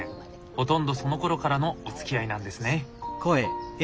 ほとんどそのころからのおつきあいなんですね。